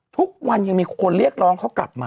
ทุกวันยังมีคนเรียกร้องเขากลับมา